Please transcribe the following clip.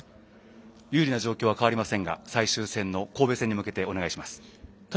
有利な状況は変わりませんが最終戦の神戸戦に向けてお願いします。